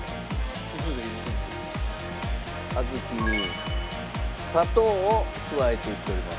小豆に砂糖を加えていっております。